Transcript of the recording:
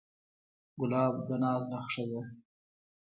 ګلاب د ناز نخښه ده.